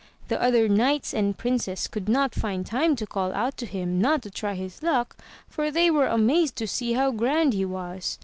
The other knights and princes could not find time to call out to him not to try his luck, for they were amazed to see how grand he was.